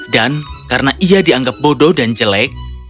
dan karena ia dianggap bodoh dan jelek